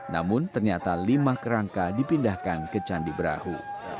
namun ternyata lima kerangka dipindahkan ke candi brahu